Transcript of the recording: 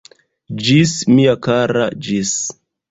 Ĝis, mia kara, ĝis!